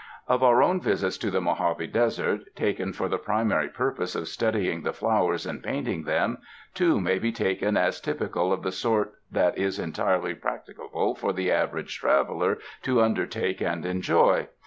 Of our own visits to the Mojave Desert, taken for the primary purposes of studying the flowers and painting them, two may be taken as typical of the sort that is entirely practicable for the average traveler to undertake and enjoy.